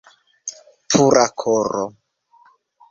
Pura koro!